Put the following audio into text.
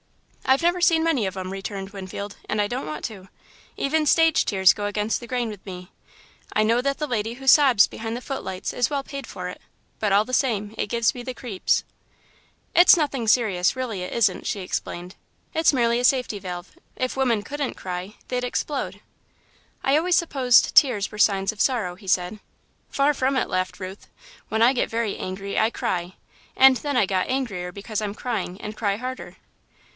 "I've never seen many of'em," returned Winfield, "and I don't want to. Even stage tears go against the grain with me. I know that the lady who sobs behind the footlights is well paid for it, but all the same, it gives me the creeps." "It's nothing serious really it isn't," she explained. "It's merely a safety valve. If women couldn't cry, they'd explode." "I always supposed tears were signs of sorrow," he said. "Far from it," laughed Ruth. "When I get very angry, I cry, and then I got angrier because I'm crying and cry harder."